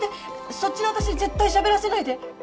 そっちの私に絶対しゃべらせないで。